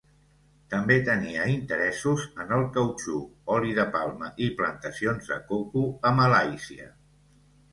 També tenia interessos en el cautxú, oli de palma i plantacions de coco a Malàisia.